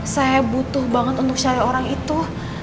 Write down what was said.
saya butuh banget untuk cari orang itu